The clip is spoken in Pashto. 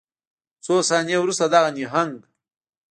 څو ثانیې وروسته دغه نهنګ